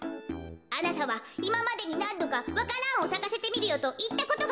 あなたはいままでになんどかわか蘭をさかせてみるよといったことがありますね？